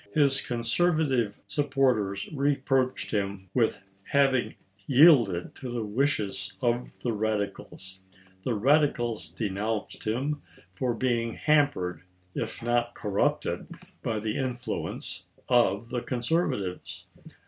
His conserva tive supporters reproached him with having yielded to the wishes of the radicals ; the radicals denounced him for being hampered, if not cor rupted, by the influence of the conservatives.